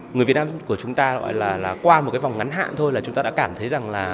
người việt nam của chúng ta gọi là qua một cái vòng ngắn hạn thôi là chúng ta đã cảm thấy rằng là